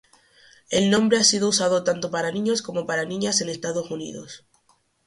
El nombre ha sido usado tanto para niños como para niñas en Estados Unidos.